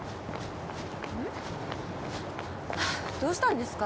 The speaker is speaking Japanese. どうしたんですか？